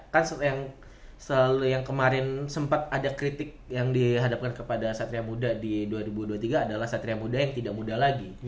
kan yang selalu yang kemarin sempat ada kritik yang dihadapkan kepada satria muda di dua ribu dua puluh tiga adalah satria muda yang tidak muda lagi